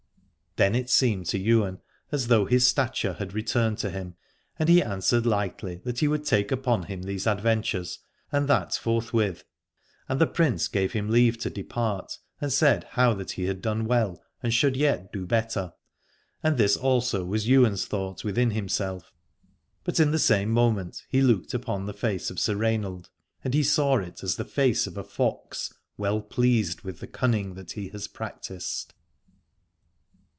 Then it seemed to Ywain as though his stature had returned to him, and he answered lightly that he would take upon him these adventures, and that forthwith : and the Prince gave him leave to depart, and said how that he had done well and should yet do better. And this also was Ywain's thought within himself: but in the same moment he looked upon the face of Sir Rainald, and he saw it as the face of a fox, well pleased with the cunning that he has practised.